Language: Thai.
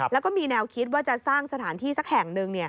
แล้วก็มีแนวคิดว่าจะสร้างสถานที่สักแห่งหนึ่ง